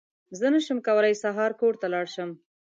زه نشم کولی سهار کار ته لاړ شم!